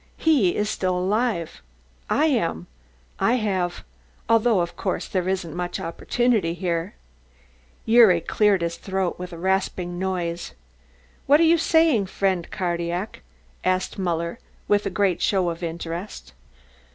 He is still alive I am I have although of course there isn't much opportunity here " Gyuri cleared his throat with a rasping noise. "What were you saying, friend Cardillac?" asked Muller with a great show of interest.